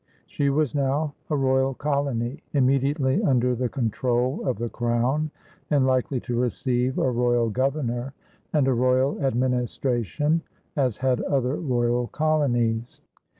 She was now a royal colony, immediately under the control of the Crown and likely to receive a royal governor and a royal administration, as had other royal colonies.